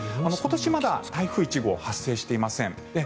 今年、まだ台風１号発生していません。